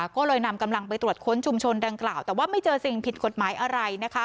ก็เลยนำกำลังไปตรวจค้นชุมชนดังกล่าวแต่ว่าไม่เจอสิ่งผิดกฎหมายอะไรนะคะ